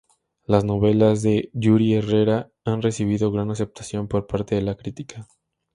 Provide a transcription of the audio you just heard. Las novelas de Yuri Herrera han recibido gran aceptación por parte de la crítica.